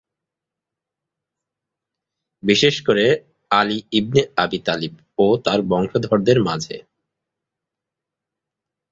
বিশেষ করে Ali ibn Abi Talib ও তার বংশধরদের মাঝে।